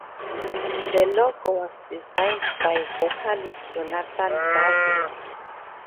The logo was designed by vocalist Jonathan Davis.